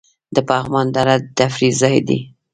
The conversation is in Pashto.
د پغمان دره د تفریح ځای دی